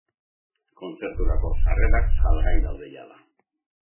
Kontzerturako sarrerak salgai daude jada.